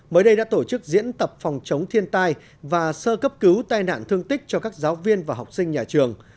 mới đây đã tổ chức diễn tập phòng chống thiên tai và sơ cấp cứu tai nạn thương tích cho các giáo viên và học sinh nhà trường